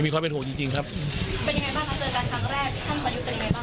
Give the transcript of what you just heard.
มีความเป็นห่วงจริงจริงครับเป็นยังไงบ้างครับเจอกันครั้งแรก